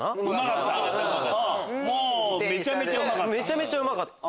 めちゃめちゃうまかった。